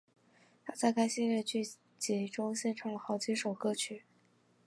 她在该系列剧集中献唱了好几首歌曲。